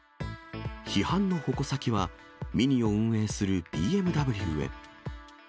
批判の矛先は、ＭＩＮＩを運営するＢＭＷへ。